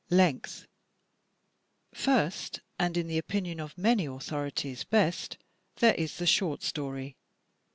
Length Fir^t, and in the opinion of many authorities best, there is the short story.